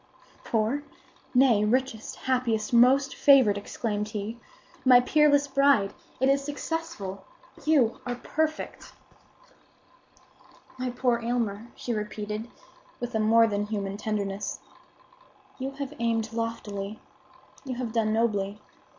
"Poor? Nay, richest, happiest, most favored!" exclaimed he. "My peerless bride, it is successful! You are perfect!" "My poor Aylmer," she repeated, with a more than human tenderness, "you have aimed loftily; you have done nobly.